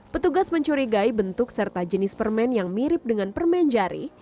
petugas mencurigai bentuk serta jenis permen yang mirip dengan permen jari